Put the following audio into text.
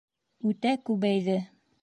Үтә күбәйҙе.